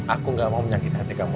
aku gak mau menyakitkan kamu